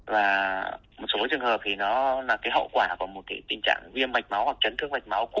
và một số trường hợp thì nó là cái hậu quả của một cái tình trạng viêm mạch máu hoặc chấn thương mạch máu